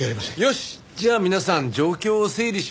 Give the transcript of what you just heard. よしじゃあ皆さん状況を整理しましょう。